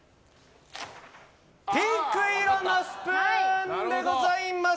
ピンク色のスプーンでございます！